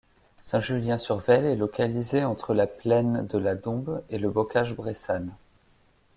Saint-Julien-sur-Veyle est localisée entre la plaine de la Dombes et le bocage bressane.